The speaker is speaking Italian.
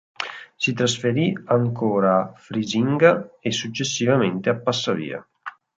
Si trasferì ancora a Frisinga e successivamente a Passavia.